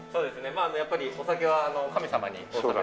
まあやっぱりお酒は神様にお供えする。